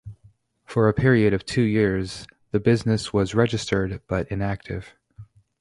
For a period of two years the business was registered but inactive.